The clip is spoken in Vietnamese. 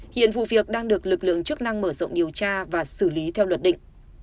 hiện vụ việc đang được lực lượng chức năng mở rộng điều tra và xử lý theo luật định